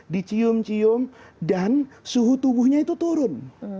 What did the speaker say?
dicium cium dan suhu tubuhnya itu turun